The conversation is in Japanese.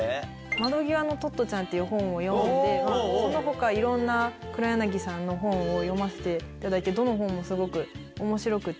『窓ぎわのトットちゃん』っていう本を読んでその他いろんな黒柳さんの本を読ませていただいてどの本もすごく面白くて。